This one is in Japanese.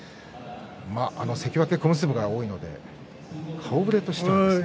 関脇、小結が多いので顔ぶれとしては。